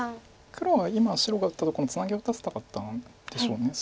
黒は今白が打ったところにツナギを打たせたかったんでしょう。